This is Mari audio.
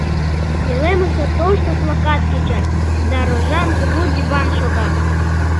Пӧлемыште тошто плакат кеча да рожан кугу диван шога.